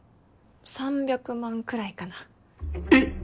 ３００万円くらいかな。え！？